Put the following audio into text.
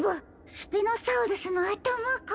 スピノサウルスのあたまか。